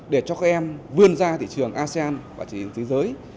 để cho các em vươn ra thị trường asean và thị trường thế giới